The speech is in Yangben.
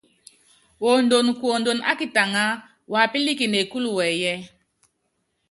Wondonkuondon ákitaŋa, wapílikini ékúlu wɛɛyiɛ́.